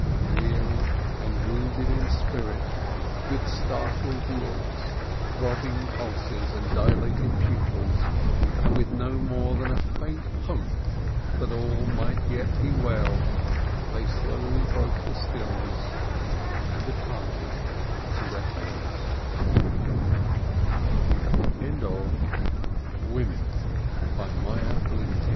Weary and wounded in spirit, with startled looks, throbbing pulses, and dilated pupils, and with no more than a faint hope that all might yet be well, they slowly broke the stillness, and departed to the